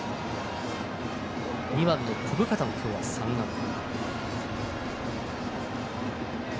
２番の小深田も今日３安打。